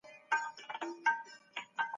بايد له خپل عقل څخه کار واخلو.